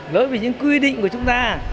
lỗi về những quy định của chúng ta